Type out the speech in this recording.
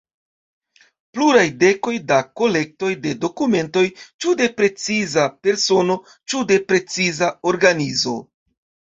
Pluraj dekoj da kolektoj de dokumentoj ĉu de preciza persono ĉu de preciza organizo.